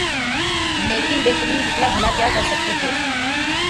لیکن بہترین وکلا بھلا کیا کر سکتے تھے۔